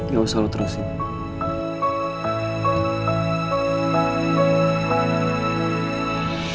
ya usah lo terusin